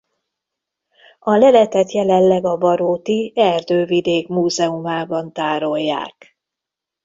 A leletet jelenleg a baróti Erdővidék Múzeumában tárolják.